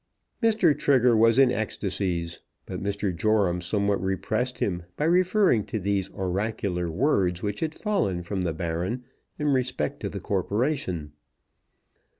Mr. Trigger was in ecstasies; but Mr. Joram somewhat repressed him by referring to these oracular words which had fallen from the Baron in respect to the corporation.